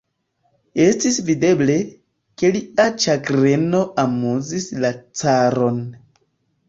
Estis videble, ke lia ĉagreno amuzis la caron.